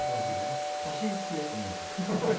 写真付きでお願いします。